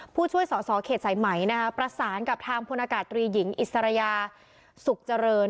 ผู้ช่วยสอสอเขตสายไหมประสานกับทางพลอากาศตรีหญิงอิสระยาสุขเจริญ